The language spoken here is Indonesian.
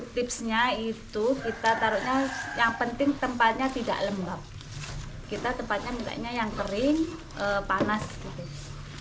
kita tempatnya yang kering panas gitu